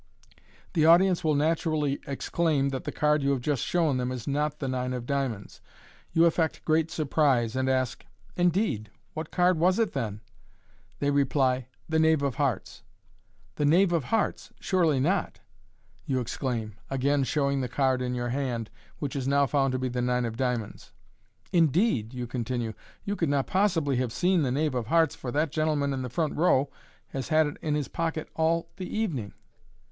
The audience will naturally exclaim that the card you have just shown them is not the nine of diamonds. You affect great surprise, and ask, " Indeed, what card was it then ?" They reply, " The knave of hearts." " The knave of hearts j surely not !'* you exclaim, again showing the card in your hand, which is now found to be the nine of diamonds. " In deed," you continue, "you could not possibly have seen the knave of hearts, for that gentleman in the front row has had it in his pocket all the evening."